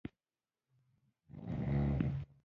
رحمان بابا وايي.